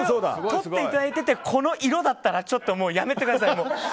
撮っていただいててこの色だったらちょっとやめてください。